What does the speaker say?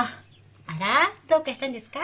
あらどうかしたんですか？